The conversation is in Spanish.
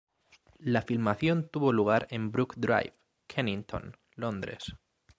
La filmación tuvo lugar en Brook Drive, Kennington, Londres.